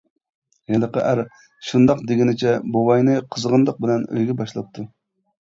ھېلىقى ئەر شۇنداق دېگىنىچە بوۋاينى قىزغىنلىق بىلەن ئۆيىگە باشلاپتۇ.